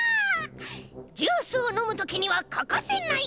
ジュースをのむときにはかかせない！